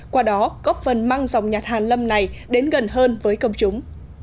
qua đó góp phần mang dòng nhạc hàn lâm này đến gần hơn với công chúng